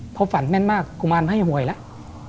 เพราะฝันแม่นมากกุมารไม่ให้หวยแล้ว